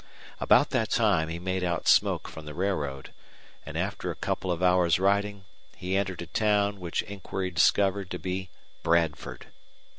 About that time he made out smoke from the railroad, and after a couple of hours' riding he entered a town which inquiry discovered to be Bradford.